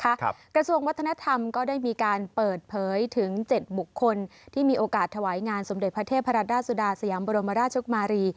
กระทรวงวัฒนธรรมก็ได้มีการเปิดเผยถึงเจ็ดบุคคลที่มีโอกาสถวายงานสมเด็จพระเทพรัตราชสุดาสยามบรมราชกุมารี